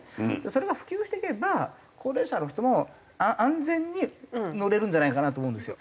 それが普及していけば高齢者の人も安全に乗れるんじゃないかなと思うんですよ。